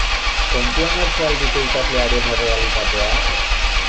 Kontuan hartzen al dute ikaslearen errealitatea?